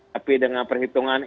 tapi dengan perhitungan